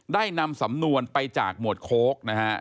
ได้นำสำนวนไปจากหมวดโค้กนะฮะ